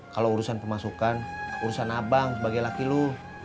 kalau urusan pemasukan urusan abang sebagai laki lu